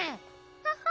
アハハハ。